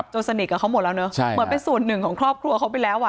สนิทกับเขาหมดแล้วเนอะเหมือนเป็นส่วนหนึ่งของครอบครัวเขาไปแล้วอ่ะ